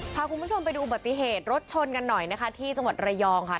พาคุณผู้ชมไปดูอุบัติเหตุรถชนกันหน่อยนะคะที่จังหวัดระยองค่ะ